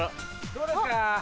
・どうですか？